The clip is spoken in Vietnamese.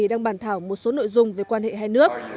đang bàn thảo một số nội dung về quan hệ hai nước